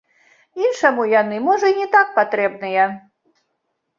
Іншаму яны, можа, і не так патрэбныя.